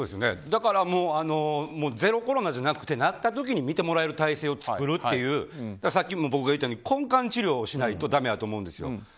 だからゼロコロナじゃなくてなった時に診てもらえる体制を作るというさっきも僕が言ったように根幹治療をしないとだめやと思うんですよ。